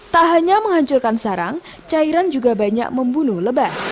tak hanya menghancurkan sarang cairan juga banyak membunuh lebah